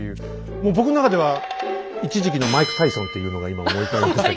もう僕の中では一時期のマイク・タイソンというのが今思い浮かびましたけど。